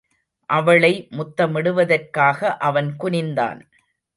அவளை முத்தமிடுவதற்காக அவன் குனிந்தான்.